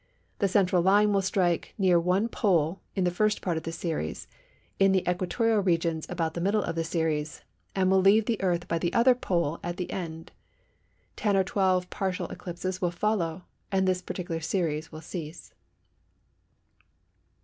The central line will strike near one pole in the first part of the series; in the equatorial regions about the middle of the series, and will leave the Earth by the other pole at the end. Ten or twelve partial eclipses will follow, and this particular series will cease."